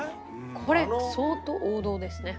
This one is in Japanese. これ相当王道ですね。